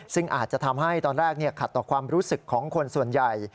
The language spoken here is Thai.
ซึ่งอาจจะทำให้ตอนแรกขัดต่อความรู้สึกของคนส่วนใหญ่